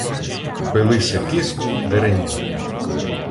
Пили сикизку, деренівку